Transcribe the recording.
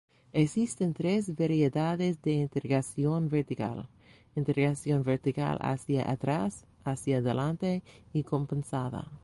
Existen tres variedades de integración vertical: integración vertical hacia atrás, hacia delante y compensada.